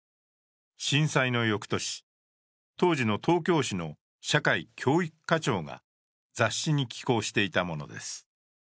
震災の翌年、当時の東京市の社会教育課長が雑誌に寄稿していたのもです。